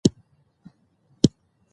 دوی ته نه رسېدم. بیا مې ژړا زیاته شوه.